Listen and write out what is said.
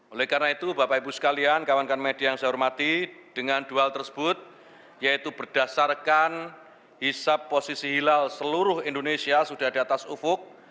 oleh karena itu bapak ibu sekalian kawan kawan media yang saya hormati dengan dua hal tersebut yaitu berdasarkan hisap posisi hilal seluruh indonesia sudah di atas ufuk